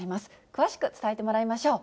詳しく伝えてもらいましょう。